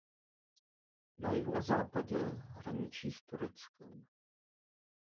Na jihu a západě hraničí s Tureckem.